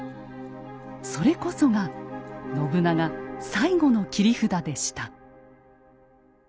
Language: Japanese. それこそが信長最後の切り札でした。